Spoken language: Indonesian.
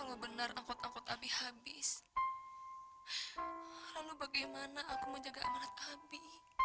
kalau benar angkot angkot abi habis lalu bagaimana aku menjaga amanat abi